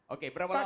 oke berapa lama ini